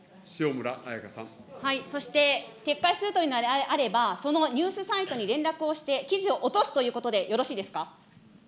そして、撤回するというのであれば、そのニュースサイトに連絡をして、記事を落とすということでよろしいですか。